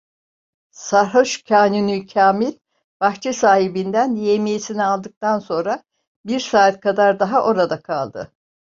Sarhoş Kanuni Kamil, bahçe sahibinden yevmiyesini aldıktan sonra bir saat kadar daha orada kaldı.